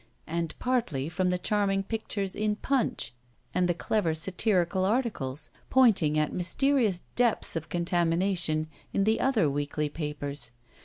and partly from the charming pictures in Punch and the clever satirical articles, pointing at mysterious depths of contamination, in the other weekly papers.